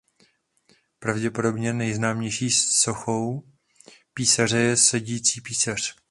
Pravděpodobně nejznámější sochou písaře je Sedící písař.